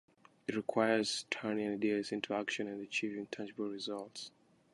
It requires turning ideas into action and achieving tangible results.